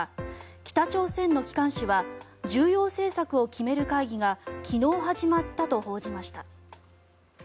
北朝鮮の機関紙は重要政策を決める会議が昨日始まったと報じました。